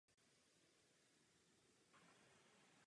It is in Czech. Míček se nyní v zásadě nachází na americké straně kurtu.